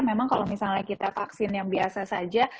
memang kalau misalnya kita vaksin yang biasa saja